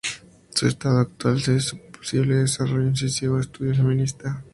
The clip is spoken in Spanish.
Su estado actual: su posible desarrollo", un incisivo estudio feminista.